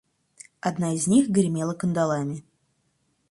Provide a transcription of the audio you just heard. Одна из них гремела кандалами.